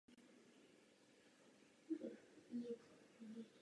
Jeho otec byl evangelický farář.